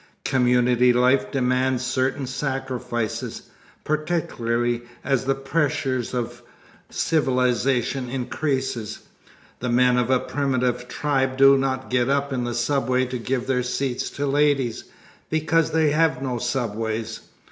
Community life demands certain sacrifices, particularly as the pressure of civilization increases. The men of a primitive tribe do not get up in the subway to give their seats to ladies, because they have no subways.